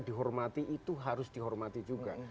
dihormati itu harus dihormati juga